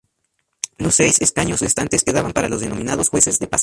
Los seis escaños restantes quedaban para los denominados jueces de paz.